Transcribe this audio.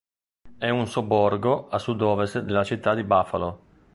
È un sobborgo a sudovest della città di Buffalo.